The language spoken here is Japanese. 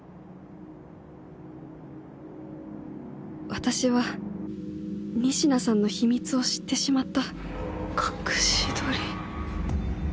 私は仁科さんの秘密を知ってしまった隠し撮り？